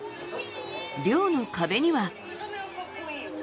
寮の壁には。